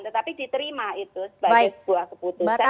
tetapi diterima itu sebagai sebuah keputusan